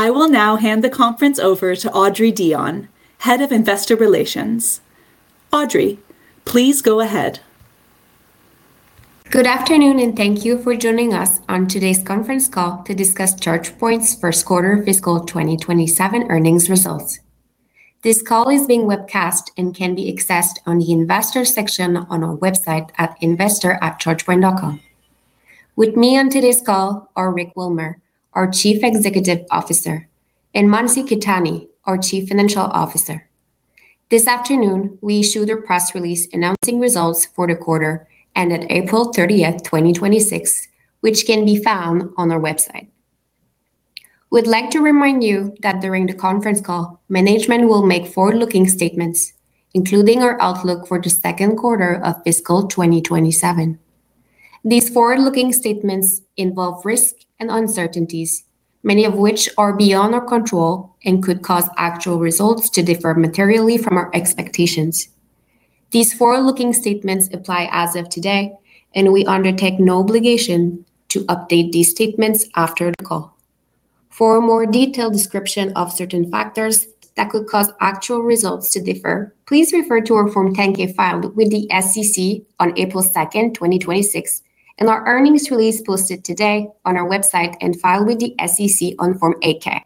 I will now hand the conference over to Audrey Dion, Head of Investor Relations. Audrey, please go ahead. Good afternoon, and thank you for joining us on today's conference call to discuss ChargePoint's First Quarter Fiscal 2027 Earnings Results. This call is being webcast and can be accessed on the Investor section on our website at investor@chargepoint.com. With me on today's call are Rick Wilmer, our Chief Executive Officer, and Mansi Khetani, our Chief Financial Officer. This afternoon, we issued a press release announcing results for the quarter ended April 30th, 2026, which can be found on our website. We'd like to remind you that during the conference call, management will make forward-looking statements, including our outlook for the second quarter of fiscal 2027. These forward-looking statements involve risk and uncertainties, many of which are beyond our control and could cause actual results to differ materially from our expectations. These forward-looking statements apply as of today, and we undertake no obligation to update these statements after the call. For a more detailed description of certain factors that could cause actual results to differ, please refer to our Form 10-K filed with the SEC on April 2nd, 2026, and our earnings release posted today on our website and filed with the SEC on Form 8-K.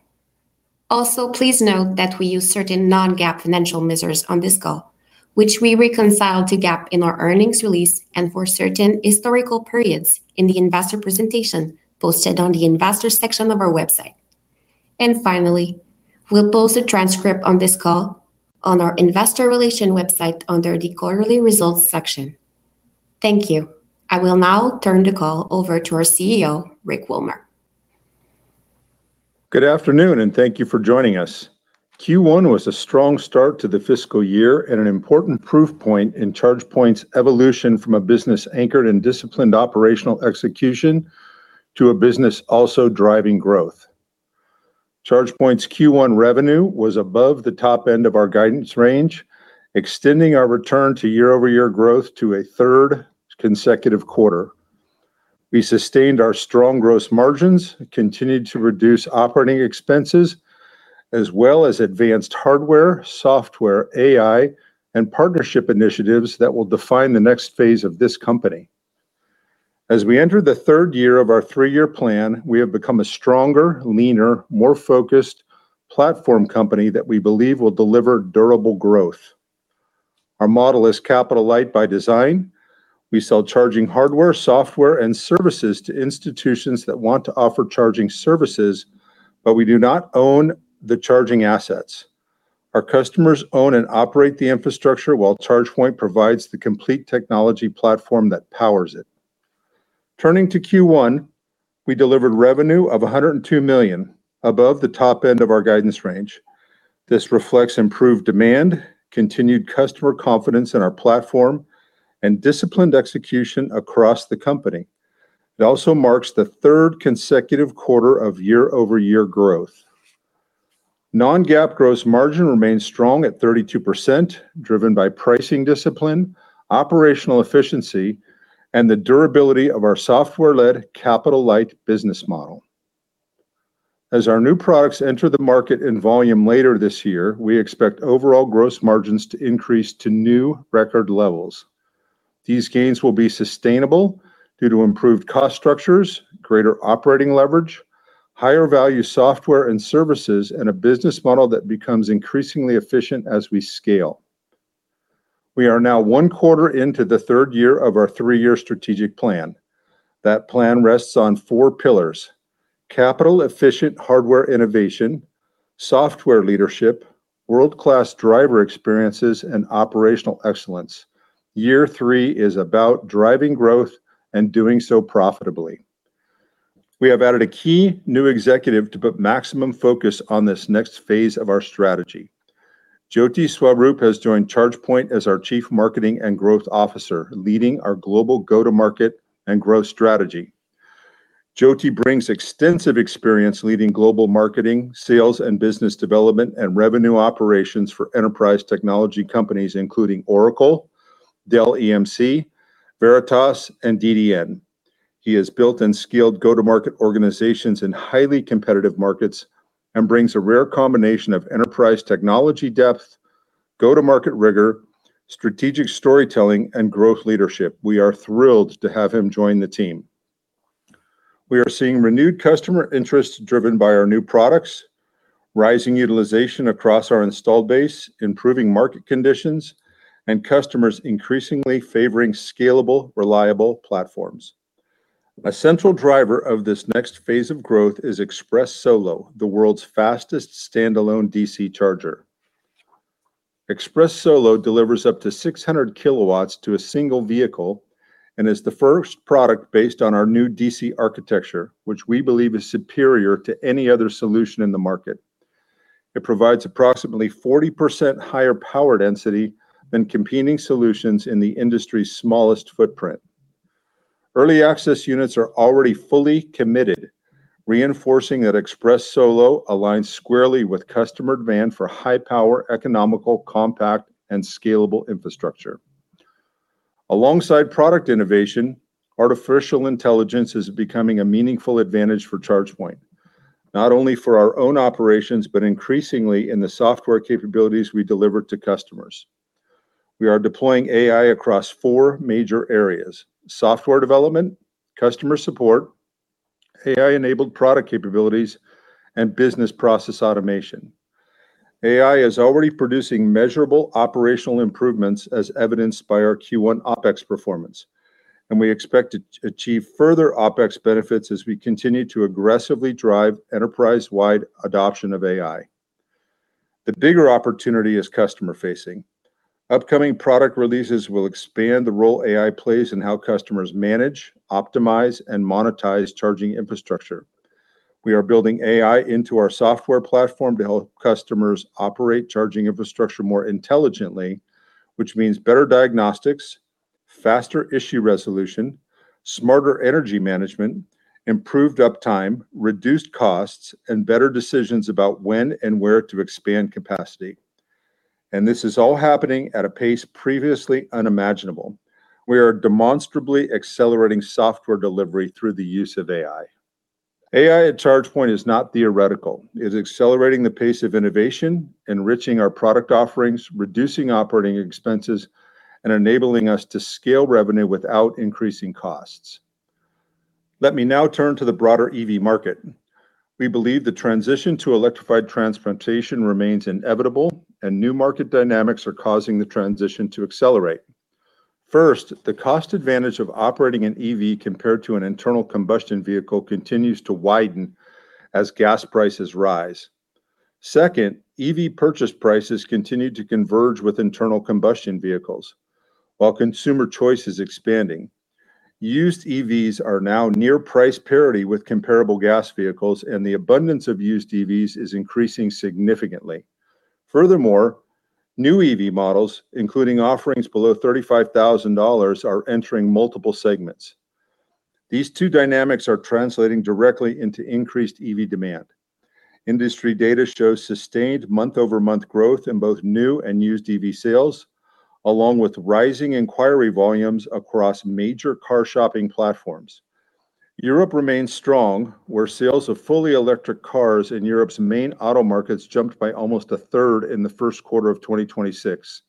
Also, please note that we use certain non-GAAP financial measures on this call, which we reconcile to GAAP in our earnings release and for certain historical periods in the investor presentation posted on the Investor section of our website. Finally, we'll post a transcript of this call on our investor relation website under the Quarterly Results section. Thank you. I will now turn the call over to our CEO, Rick Wilmer. Good afternoon, and thank you for joining us. Q1 was a strong start to the fiscal year and an important proof point in ChargePoint's evolution from a business anchored in disciplined operational execution to a business also driving growth. ChargePoint's Q1 revenue was above the top end of our guidance range, extending our return to year-over-year growth to a third consecutive quarter. We sustained our strong gross margins, continued to reduce operating expenses, as well as advanced hardware, software, AI, and partnership initiatives that will define the next phase of this company. As we enter the third year of our three-year plan, we have become a stronger, leaner, more focused platform company that we believe will deliver durable growth. Our model is capital light by design. We sell charging hardware, software, and services to institutions that want to offer charging services, but we do not own the charging assets. Our customers own and operate the infrastructure while ChargePoint provides the complete technology platform that powers it. Turning to Q1, we delivered revenue of $102 million, above the top end of our guidance range. This reflects improved demand, continued customer confidence in our platform, and disciplined execution across the company. It also marks the third consecutive quarter of year-over-year growth. Non-GAAP gross margin remains strong at 32%, driven by pricing discipline, operational efficiency, and the durability of our software-led, capital-light business model. As our new products enter the market in volume later this year, we expect overall gross margins to increase to new record levels. These gains will be sustainable due to improved cost structures, greater operating leverage, higher value software and services, and a business model that becomes increasingly efficient as we scale. We are now one quarter into the third year of our three-year strategic plan. That plan rests on four pillars: capital efficient hardware innovation, software leadership, world-class driver experiences, and operational excellence. Year three is about driving growth and doing so profitably. We have added a key new executive to put maximum focus on this next phase of our strategy. Jyothi Swaroop has joined ChargePoint as our Chief Marketing and Growth Officer, leading our global go-to-market and growth strategy. Jyothi brings extensive experience leading global marketing, sales, and business development, and revenue operations for enterprise technology companies, including Oracle, Dell EMC, Veritas, and DDN. He has built and scaled go-to-market organizations in highly competitive markets and brings a rare combination of enterprise technology depth, go-to-market rigor, strategic storytelling, and growth leadership. We are thrilled to have him join the team. We are seeing renewed customer interest driven by our new products, rising utilization across our installed base, improving market conditions, and customers increasingly favoring scalable, reliable platforms. A central driver of this next phase of growth is Express Solo, the world's fastest standalone DC charger. Express Solo delivers up to 600 kW to a single vehicle and is the first product based on our new DC architecture, which we believe is superior to any other solution in the market. It provides approximately 40% higher power density than competing solutions in the industry's smallest footprint. Early access units are already fully committed, reinforcing that Express Solo aligns squarely with customer demand for high-power, economical, compact, and scalable infrastructure. Alongside product innovation, artificial intelligence is becoming a meaningful advantage for ChargePoint, not only for our own operations, but increasingly in the software capabilities we deliver to customers. We are deploying AI across four major areas: software development, customer support, AI-enabled product capabilities, and business process automation. AI is already producing measurable operational improvements as evidenced by our Q1 OpEx performance. We expect to achieve further OpEx benefits as we continue to aggressively drive enterprise-wide adoption of AI. The bigger opportunity is customer facing. Upcoming product releases will expand the role AI plays in how customers manage, optimize, and monetize charging infrastructure. We are building AI into our software platform to help customers operate charging infrastructure more intelligently, which means better diagnostics, faster issue resolution, smarter energy management, improved uptime, reduced costs, and better decisions about when and where to expand capacity. This is all happening at a pace previously unimaginable. We are demonstrably accelerating software delivery through the use of AI. AI at ChargePoint is not theoretical. It is accelerating the pace of innovation, enriching our product offerings, reducing operating expenses, and enabling us to scale revenue without increasing costs. Let me now turn to the broader EV market. We believe the transition to electrified transportation remains inevitable, and new market dynamics are causing the transition to accelerate. First, the cost advantage of operating an EV compared to an internal combustion vehicle continues to widen as gas prices rise. Second, EV purchase prices continue to converge with internal combustion vehicles while consumer choice is expanding. Used EVs are now near price parity with comparable gas vehicles, and the abundance of used EVs is increasing significantly. Furthermore, new EV models, including offerings below $35,000, are entering multiple segments. These two dynamics are translating directly into increased EV demand. Industry data shows sustained month-over-month growth in both new and used EV sales, along with rising inquiry volumes across major car shopping platforms. Europe remains strong, where sales of fully electric cars in Europe's main auto markets jumped by almost a third in the first quarter of 2026.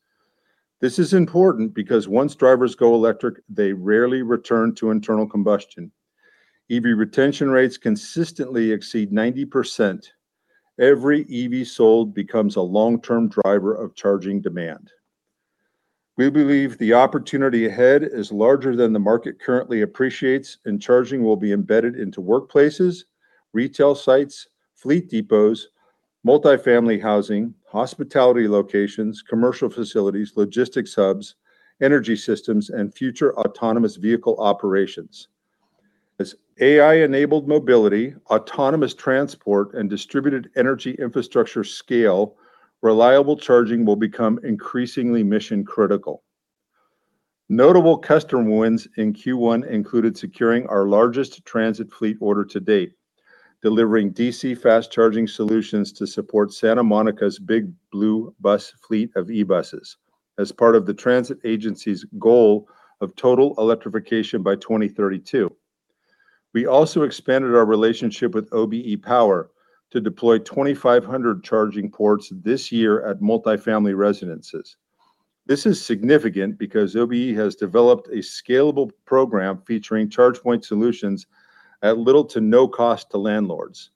This is important because once drivers go electric, they rarely return to internal combustion. EV retention rates consistently exceed 90%. Every EV sold becomes a long-term driver of charging demand. We believe the opportunity ahead is larger than the market currently appreciates, and charging will be embedded into workplaces, retail sites, fleet depots, multifamily housing, hospitality locations, commercial facilities, logistics hubs, energy systems, and future autonomous vehicle operations. As AI-enabled mobility, autonomous transport, and distributed energy infrastructure scale, reliable charging will become increasingly mission-critical. Notable customer wins in Q1 included securing our largest transit fleet order to date, delivering DC fast charging solutions to support Santa Monica's Big Blue Bus fleet of e-buses as part of the transit agency's goal of total electrification by 2032. We also expanded our relationship with OBE Power to deploy 2,500 charging ports this year at multifamily residences. This is significant because OBE has developed a scalable program featuring ChargePoint solutions at little to no cost to landlords.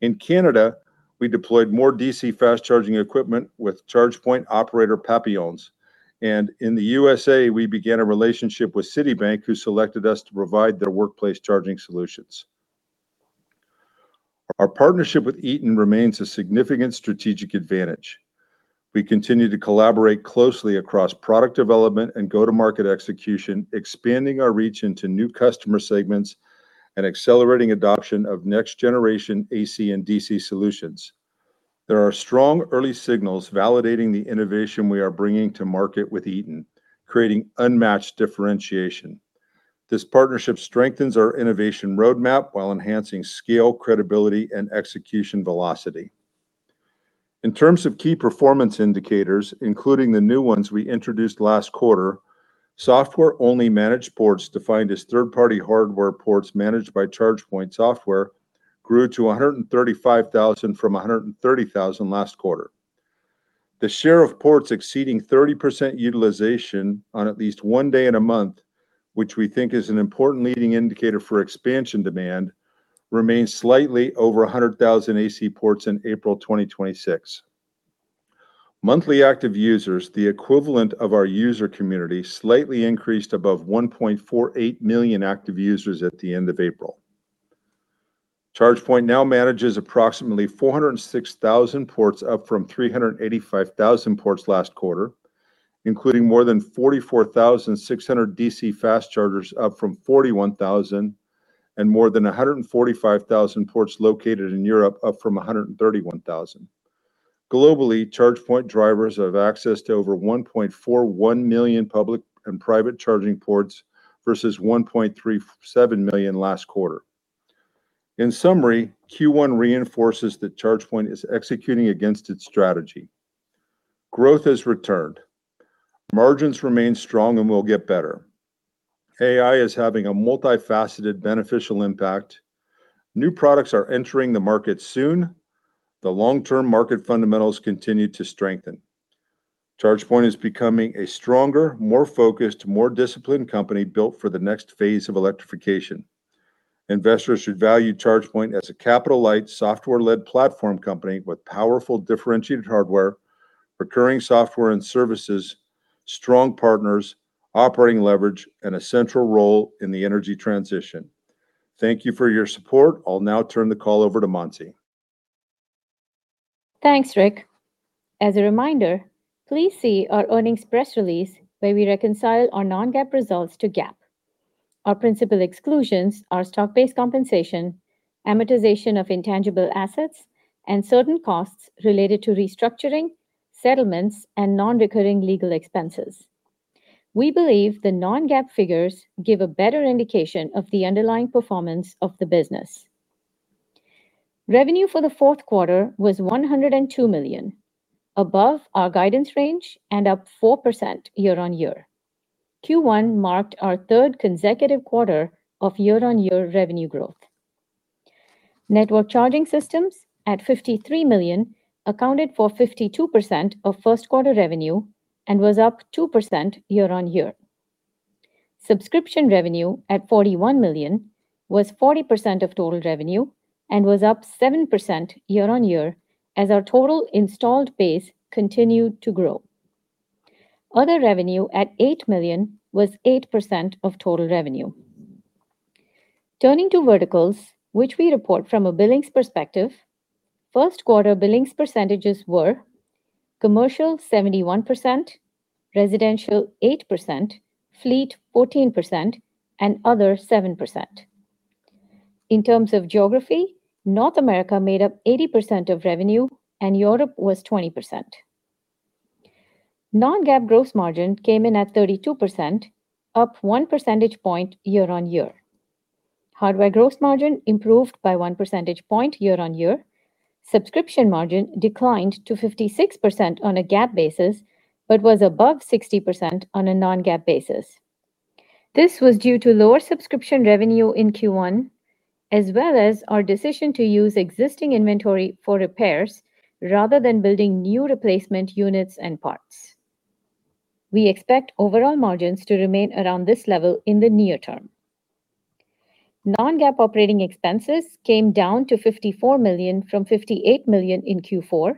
In Canada, we deployed more DC fast charging equipment with ChargePoint operator Papillons. In the U.S.A., we began a relationship with Citibank, who selected us to provide their workplace charging solutions. Our partnership with Eaton remains a significant strategic advantage. We continue to collaborate closely across product development and go-to-market execution, expanding our reach into new customer segments and accelerating adoption of next-generation AC and DC solutions. There are strong early signals validating the innovation we are bringing to market with Eaton, creating unmatched differentiation. This partnership strengthens our innovation roadmap while enhancing scale, credibility, and execution velocity. In terms of key performance indicators, including the new ones we introduced last quarter, software-only managed ports, defined as third-party hardware ports managed by ChargePoint software, grew to 135,000 from 130,000 last quarter. The share of ports exceeding 30% utilization on at least one day in a month, which we think is an important leading indicator for expansion demand, remains slightly over 100,000 AC ports in April 2026. Monthly active users, the equivalent of our user community, slightly increased above 1.48 million active users at the end of April. ChargePoint now manages approximately 406,000 ports, up from 385,000 ports last quarter, including more than 44,600 DC fast chargers, up from 41,000, and more than 145,000 ports located in Europe, up from 131,000. Globally, ChargePoint drivers have access to over 1.41 million public and private charging ports versus 1.37 million last quarter. In summary, Q1 reinforces that ChargePoint is executing against its strategy. Growth has returned. Margins remain strong and will get better. AI is having a multifaceted, beneficial impact. New products are entering the market soon. The long-term market fundamentals continue to strengthen. ChargePoint is becoming a stronger, more focused, more disciplined company built for the next phase of electrification. Investors should value ChargePoint as a capital-light, software-led platform company with powerful, differentiated hardware, recurring software and services, strong partners, operating leverage, and a central role in the energy transition. Thank you for your support. I'll now turn the call over to Mansi. Thanks, Rick. As a reminder, please see our earnings press release where we reconcile our non-GAAP results to GAAP. Our principal exclusions are stock-based compensation, amortization of intangible assets, and certain costs related to restructuring, settlements, and non-recurring legal expenses. We believe the non-GAAP figures give a better indication of the underlying performance of the business. Revenue for the fourth quarter was $102 million, above our guidance range, up 4% year-on-year. Q1 marked our third consecutive quarter of year-on-year revenue growth. Networked charging systems, at $53 million, accounted for 52% of first quarter revenue and was up 2% year-on-year. Subscription revenue, at $41 million, was 40% of total revenue and was up 7% year-on-year, as our total installed base continued to grow. Other revenue, at $8 million, was 8% of total revenue. Turning to verticals, which we report from a billings perspective, first quarter billings percentages were: commercial 71%, residential 8%, fleet 14%, and other 7%. In terms of geography, North America made up 80% of revenue and Europe was 20%. Non-GAAP gross margin came in at 32%, up one percentage point year-on-year. Hardware gross margin improved by one percentage point year-on-year. Subscription margin declined to 56% on a GAAP basis, but was above 60% on a non-GAAP basis. This was due to lower subscription revenue in Q1, as well as our decision to use existing inventory for repairs rather than building new replacement units and parts. We expect overall margins to remain around this level in the near term. Non-GAAP operating expenses came down to $54 million from $58 million in Q4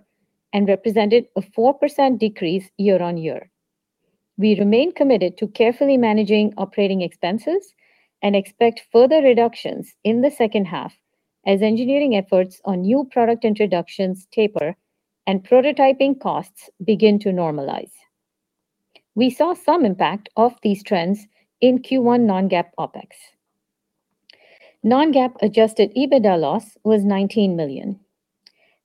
and represented a 4% decrease year-on-year. We remain committed to carefully managing operating expenses and expect further reductions in the second half as engineering efforts on new product introductions taper and prototyping costs begin to normalize. We saw some impact of these trends in Q1 non-GAAP OpEx. Non-GAAP adjusted EBITDA loss was $19 million.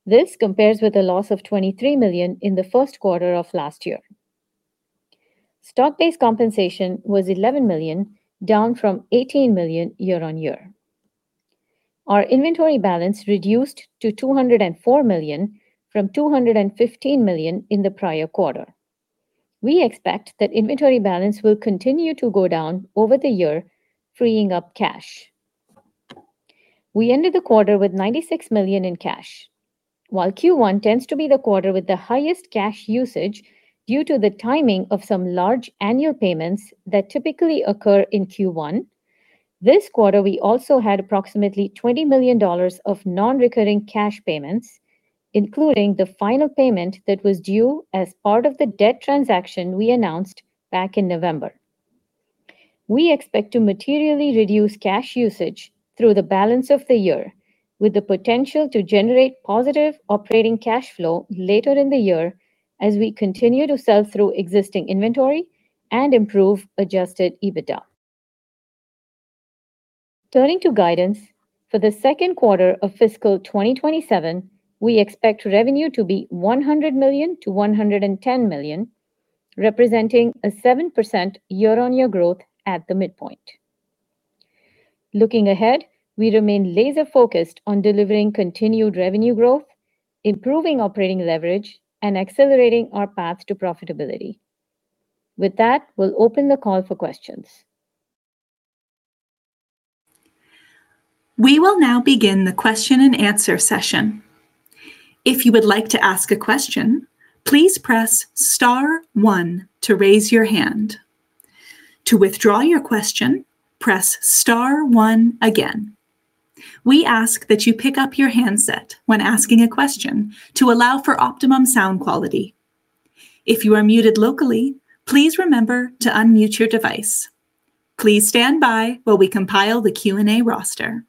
This compares with a loss of $23 million in the first quarter of last year. Stock-based compensation was $11 million, down from $18 million year-over-year. Our inventory balance reduced to $204 million from $215 million in the prior quarter. We expect that inventory balance will continue to go down over the year, freeing up cash. We ended the quarter with $96 million in cash. While Q1 tends to be the quarter with the highest cash usage due to the timing of some large annual payments that typically occur in Q1, this quarter we also had approximately $20 million of non-recurring cash payments, including the final payment that was due as part of the debt transaction we announced back in November. We expect to materially reduce cash usage through the balance of the year, with the potential to generate positive operating cash flow later in the year as we continue to sell through existing inventory and improve adjusted EBITDA. Turning to guidance, for the second quarter of fiscal 2027, we expect revenue to be $100 million-$110 million, representing a 7% year-on-year growth at the midpoint. Looking ahead, we remain laser-focused on delivering continued revenue growth, improving operating leverage, and accelerating our path to profitability. With that, we will open the call for questions. We will now begin the question and answer session. If you would like to ask a question, please press star one to raise your hand. To withdraw your question, press star one again. We ask that you pick up your handset when asking a question to allow for optimum sound quality. If you are muted locally, please remember to unmute your device. Please stand by while we compile the Q&A roster.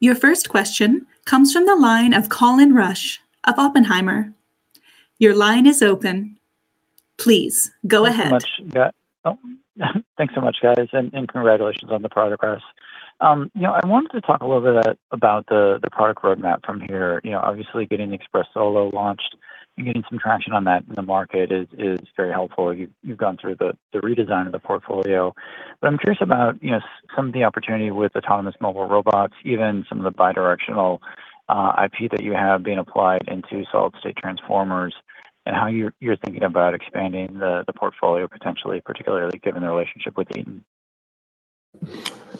Your first question comes from the line of Colin Rusch of Oppenheimer. Your line is open. Please go ahead. Thanks so much, guys. Congratulations on the progress. I wanted to talk a little bit about the product roadmap from here. Obviously, getting Express Solo launched and getting some traction on that in the market is very helpful. You've gone through the redesign of the portfolio. I'm curious about some of the opportunity with autonomous mobile robots, even some of the bi-directional IP that you have being applied into solid state transformers, and how you're thinking about expanding the portfolio potentially, particularly given the relationship with Eaton.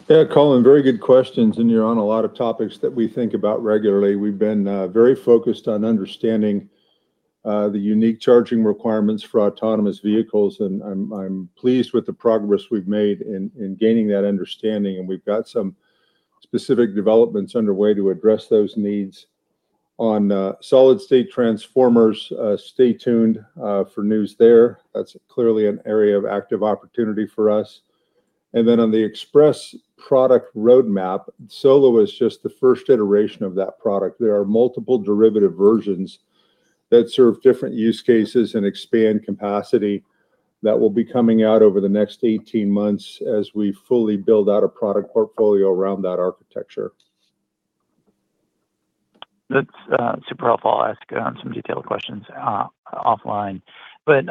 Yeah, Colin, very good questions, and you're on a lot of topics that we think about regularly. We've been very focused on understanding the unique charging requirements for autonomous vehicles, and I'm pleased with the progress we've made in gaining that understanding. We've got some specific developments underway to address those needs. On solid state transformers, stay tuned for news there. That's clearly an area of active opportunity for us. On the Express product roadmap, Express Solo is just the first iteration of that product. There are multiple derivative versions that serve different use cases and expand capacity that will be coming out over the next 18 months as we fully build out a product portfolio around that architecture. That's super helpful. I'll ask some detailed questions offline. Let's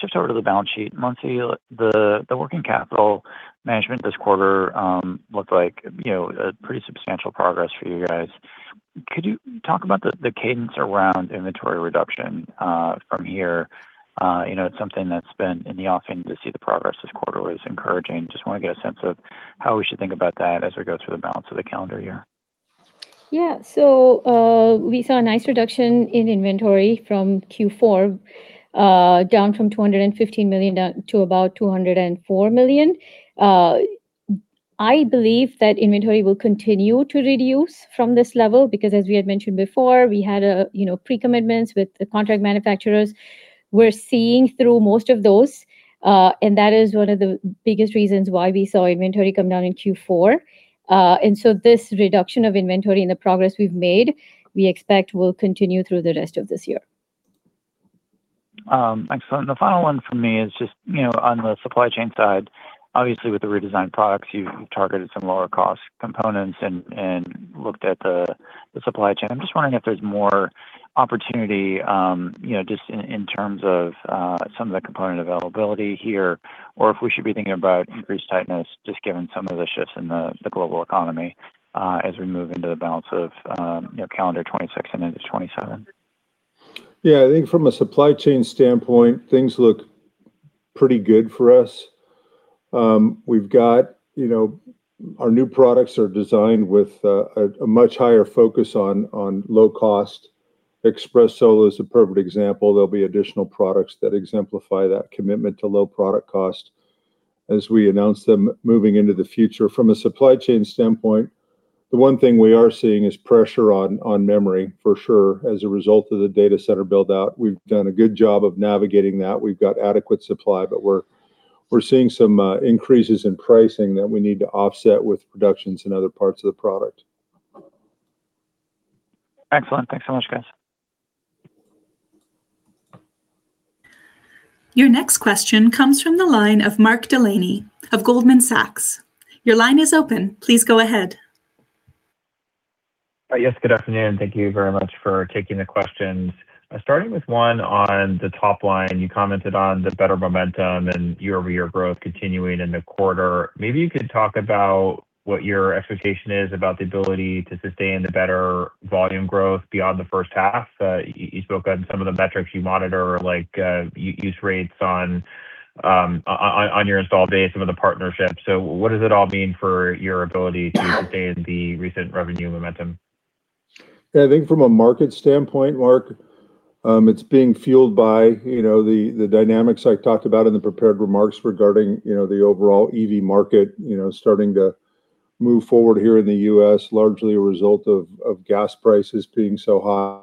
shift over to the balance sheet. Mansi, the working capital management this quarter looked like pretty substantial progress for you guys. Could you talk about the cadence around inventory reduction from here? It's something that's been in the offing, to see the progress this quarter was encouraging. Just want to get a sense of how we should think about that as we go through the balance of the calendar year. Yeah. We saw a nice reduction in inventory from Q4, down from $215 million to about $204 million. I believe that inventory will continue to reduce from this level because, as we had mentioned before, we had pre-commitments with the contract manufacturers. We're seeing through most of those, and that is one of the biggest reasons why we saw inventory come down in Q4. This reduction of inventory and the progress we've made, we expect will continue through the rest of this year. Excellent. The final one from me is just on the supply chain side. Obviously, with the redesigned products, you targeted some lower cost components and looked at the supply chain. I'm just wondering if there's more opportunity just in terms of some of the component availability here, or if we should be thinking about increased tightness, just given some of the shifts in the global economy as we move into the balance of calendar 2026 and into 2027. Yeah, I think from a supply chain standpoint, things look pretty good for us. Our new products are designed with a much higher focus on low cost. Express Solo is a perfect example. There'll be additional products that exemplify that commitment to low product cost as we announce them moving into the future. From a supply chain standpoint, the one thing we are seeing is pressure on memory, for sure, as a result of the data center build-out. We've done a good job of navigating that. We've got adequate supply, but we're seeing some increases in pricing that we need to offset with productions in other parts of the product. Excellent. Thanks so much, guys. Your next question comes from the line of Mark Delaney of Goldman Sachs. Your line is open. Please go ahead. Yes, good afternoon. Thank you very much for taking the questions. Starting with one on the top line, you commented on the better momentum and year-over-year growth continuing in the quarter. Maybe you could talk about what your expectation is about the ability to sustain the better volume growth beyond the first half. You spoke on some of the metrics you monitor, like use rates on your installed base, some of the partnerships. What does it all mean for your ability to sustain the recent revenue momentum? Yeah, I think from a market standpoint, Mark, it's being fueled by the dynamics I talked about in the prepared remarks regarding the overall EV market starting to move forward here in the U.S., largely a result of gas prices being so high.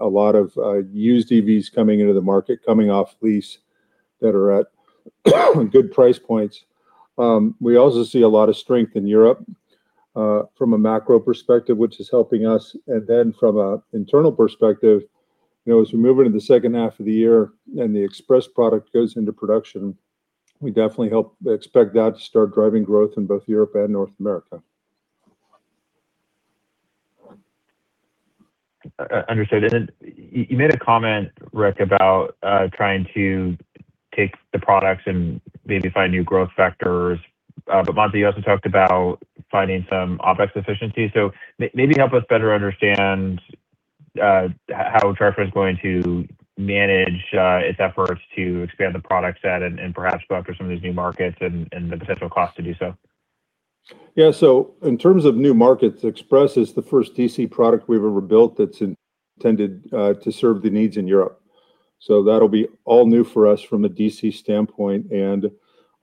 A lot of used EVs coming into the market, coming off lease that are at good price points. We also see a lot of strength in Europe from a macro perspective, which is helping us. From an internal perspective, as we move into the second half of the year and the Express product goes into production, we definitely expect that to start driving growth in both Europe and North America. Understood. Then you made a comment, Rick, about trying to take the products and maybe find new growth vectors. Mansi, you also talked about finding some OpEx efficiency. Maybe help us better understand how ChargePoint is going to manage its efforts to expand the product set and perhaps broker some of these new markets and the potential cost to do so. Yeah. In terms of new markets, Express is the first DC product we've ever built that's intended to serve the needs in Europe.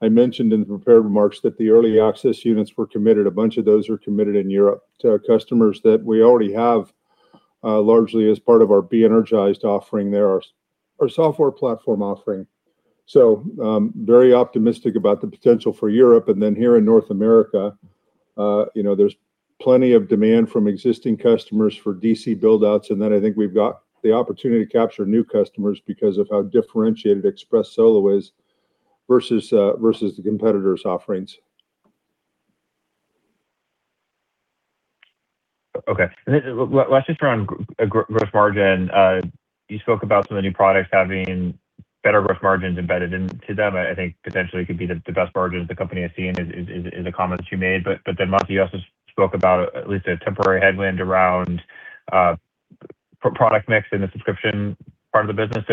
I mentioned in the prepared remarks that the early access units were committed. A bunch of those are committed in Europe to customers that we already have, largely as part of our be. ENERGISED offering there, our software platform offering. Very optimistic about the potential for Europe. Here in North America, there's plenty of demand from existing customers for DC build-outs, and I think we've got the opportunity to capture new customers because of how differentiated Express Solo is versus the competitors' offerings. Okay. Last question around gross margin. You spoke about some of the new products having better gross margins embedded into them. I think potentially it could be the best margins the company has seen is the comment you made, but then Mansi also spoke about at least a temporary headwind around product mix in the subscription part of the business.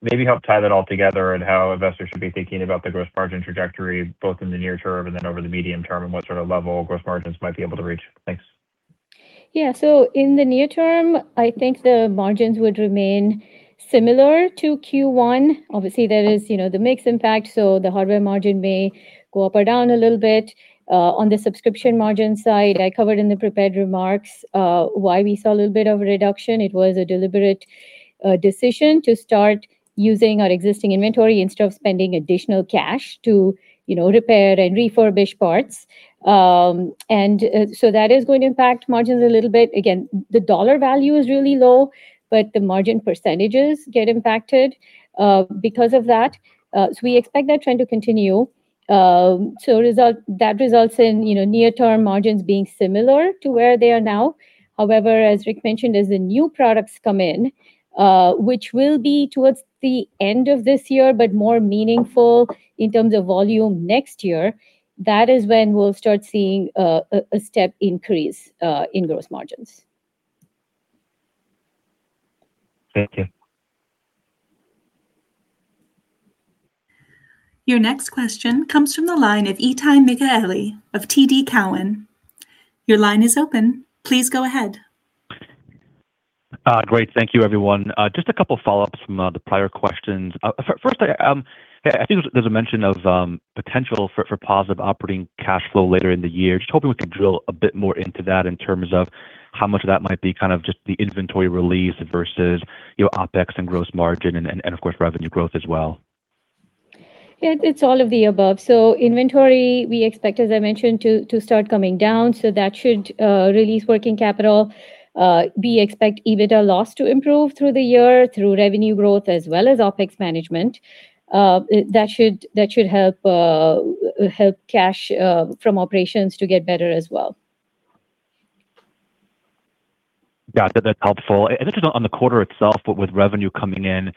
Maybe help tie that all together in how investors should be thinking about the gross margin trajectory, both in the near term and then over the medium term, and what sort of level gross margins might be able to reach. Thanks. Yeah. In the near term, I think the margins would remain similar to Q1. Obviously, there is the mix impact, so the hardware margin may go up or down a little bit. On the subscription margin side, I covered in the prepared remarks why we saw a little bit of a reduction. It was a deliberate decision to start using our existing inventory instead of spending additional cash to repair and refurbish parts. That is going to impact margins a little bit. Again, the dollar value is really low, but the margin percentages get impacted because of that. We expect that trend to continue. That results in near-term margins being similar to where they are now. However, as Rick mentioned, as the new products come in, which will be towards the end of this year, but more meaningful in terms of volume next year, that is when we'll start seeing a step increase in gross margins. Thank you. Your next question comes from the line of Itay Michaeli of TD Cowen. Your line is open. Please go ahead. Great. Thank you, everyone. Just a couple of follow-ups from the prior questions. First, I think there was a mention of potential for positive operating cash flow later in the year. Just hoping we could drill a bit more into that in terms of how much of that might be just the inventory release versus your OpEx and gross margin and, of course, revenue growth as well. It's all of the above. Inventory, we expect, as I mentioned, to start coming down. That should release working capital. We expect EBITDA loss to improve through the year through revenue growth as well as OpEx management. That should help cash from operations to get better as well. Got it. That's helpful. This is on the quarter itself, but with revenue coming in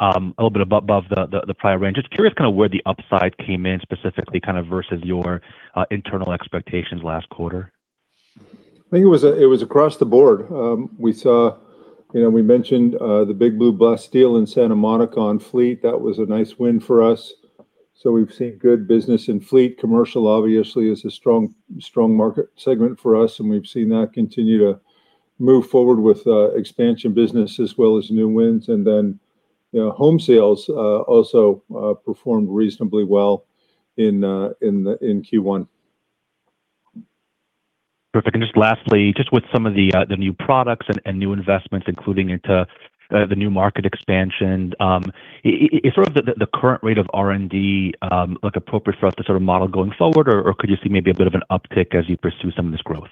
a little bit above the prior range, just curious where the upside came in specifically versus your internal expectations last quarter. I think it was across the board. We mentioned the Big Blue Bus deal in Santa Monica on fleet. That was a nice win for us. We've seen good business in fleet. Commercial, obviously, is a strong market segment for us, and we've seen that continue to move forward with expansion business as well as new wins. Home sales also performed reasonably well in Q1. Perfect. Just lastly, just with some of the new products and new investments, including into the new market expansion, is the current rate of R&D look appropriate for us to model going forward, or could you see maybe a bit of an uptick as you pursue some of this growth?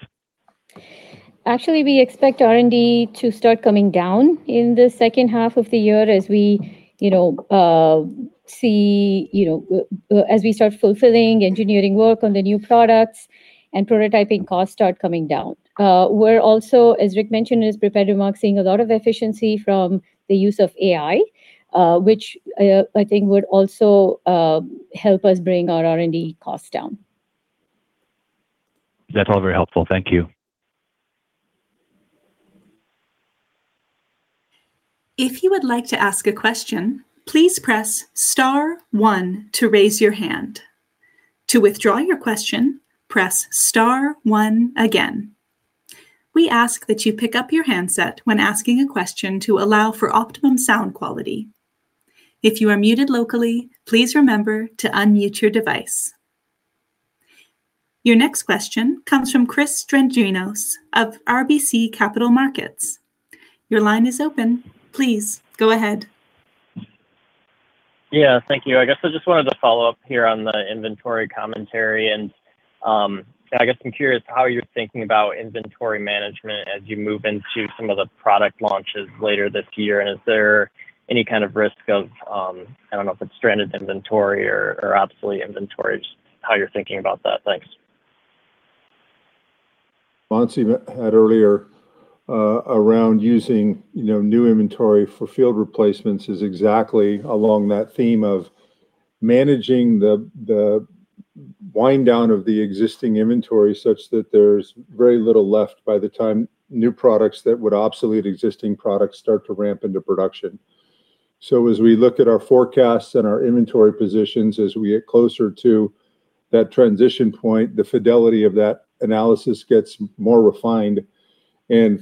Actually, we expect R&D to start coming down in the second half of the year as we start fulfilling engineering work on the new products and prototyping costs start coming down. We're also, as Rick mentioned in his prepared remarks, seeing a lot of efficiency from the use of AI, which I think would also help us bring our R&D costs down. That's all very helpful. Thank you. If you would like to ask a question, please press star one to raise your hand. To withdraw your question, press star one again. We ask that you pick up your handset when asking a question to allow for optimum sound quality. If you are muted locally, please remember to unmute your device. Your next question comes from Chris Dendrinos of RBC Capital Markets. Your line is open. Please go ahead. Yeah. Thank you. I guess I just wanted to follow up here on the inventory commentary. I guess I'm curious how you're thinking about inventory management as you move into some of the product launches later this year. Is there any kind of risk of, I don't know if it's stranded inventory or obsolete inventory, just how you're thinking about that. Thanks. Mansi had earlier around using new inventory for field replacements is exactly along that theme of managing the wind down of the existing inventory such that there's very little left by the time new products that would obsolete existing products start to ramp into production. As we look at our forecasts and our inventory positions, as we get closer to that transition point, the fidelity of that analysis gets more refined.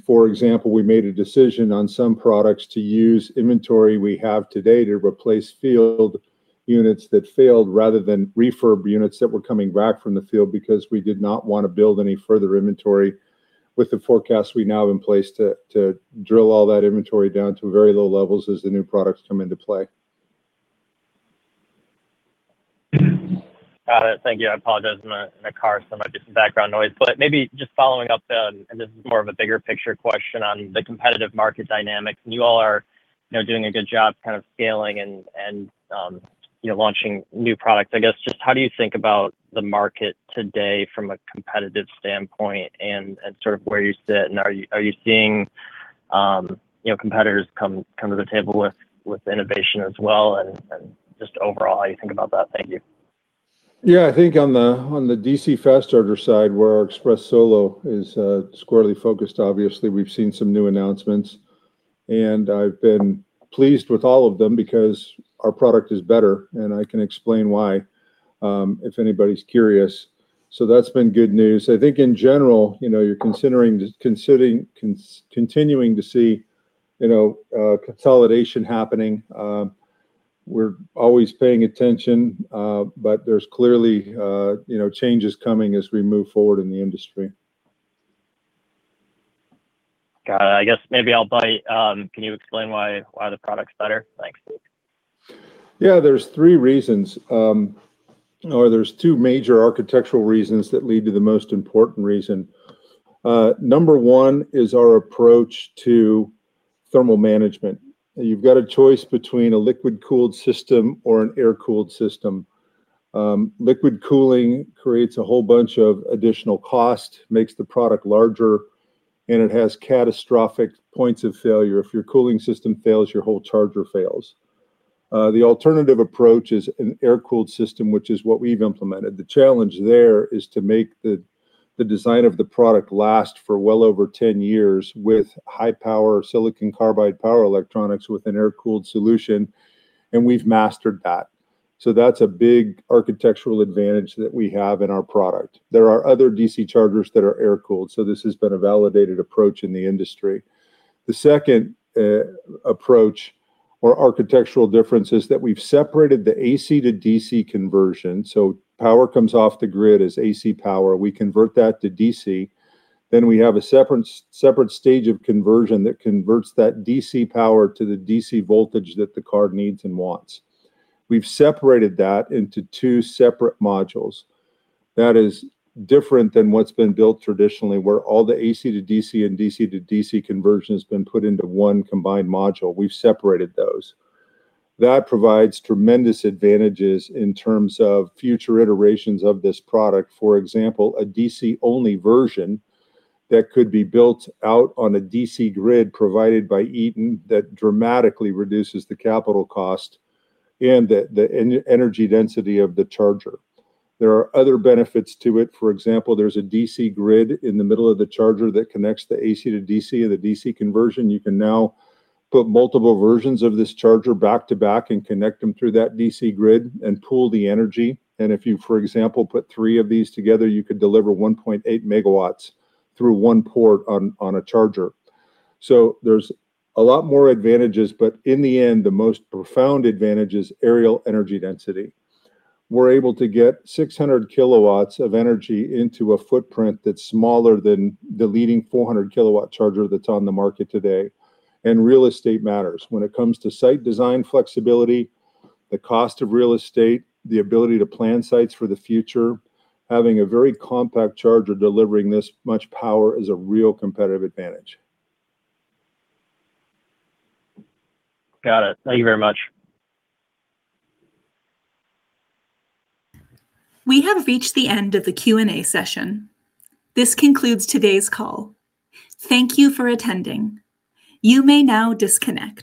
For example, we made a decision on some products to use inventory we have today to replace field units that failed rather than refurb units that were coming back from the field because we did not want to build any further inventory with the forecast we now have in place to drill all that inventory down to very low levels as the new products come into play. Got it. Thank you. I apologize. I'm in a car, so there might be some background noise. Maybe just following up then, this is more of a bigger picture question on the competitive market dynamics. You all are doing a good job scaling and launching new products. I guess, just how do you think about the market today from a competitive standpoint and where you sit? Are you seeing competitors come to the table with innovation as well? Just overall, how you think about that? Thank you. Yeah. I think on the DC fast charger side, where our Express Solo is squarely focused, obviously, we've seen some new announcements. I've been pleased with all of them because our product is better. I can explain why, if anybody's curious. That's been good news. I think in general, you're continuing to see consolidation happening. We're always paying attention. There's clearly changes coming as we move forward in the industry. Got it. I guess maybe I'll bite. Can you explain why the product's better? Thanks. There's three reasons, or there's two major architectural reasons that lead to the most important reason. Number one is our approach to thermal management. You've got a choice between a liquid-cooled system or an air-cooled system. Liquid cooling creates a whole bunch of additional cost, makes the product larger, and it has catastrophic points of failure. If your cooling system fails, your whole charger fails. The alternative approach is an air-cooled system, which is what we've implemented. The challenge there is to make the design of the product last for well over 10 years with high-power silicon carbide power electronics with an air-cooled solution, and we've mastered that. That's a big architectural advantage that we have in our product. There are other DC chargers that are air-cooled, this has been a validated approach in the industry. The second approach or architectural difference is that we've separated the AC to DC conversion. Power comes off the grid as AC power. We convert that to DC. We have a separate stage of conversion that converts that DC power to the DC voltage that the car needs and wants. We've separated that into two separate modules. That is different than what's been built traditionally, where all the AC to DC and DC to DC conversion has been put into one combined module. We've separated those. That provides tremendous advantages in terms of future iterations of this product. For example, a DC-only version that could be built out on a DC grid provided by Eaton that dramatically reduces the capital cost and the energy density of the charger. There are other benefits to it. For example, there's a DC grid in the middle of the charger that connects the AC to DC and the DC conversion. If you, for example, put three of these together, you could deliver 1.8 MW through one port on a charger. There's a lot more advantages, but in the end, the most profound advantage is aerial energy density. We're able to get 600 kW of energy into a footprint that's smaller than the leading 400 kW charger that's on the market today. Real estate matters. When it comes to site design flexibility, the cost of real estate, the ability to plan sites for the future, having a very compact charger delivering this much power is a real competitive advantage. Got it. Thank you very much. We have reached the end of the Q&A session. This concludes today's call. Thank you for attending. You may now disconnect.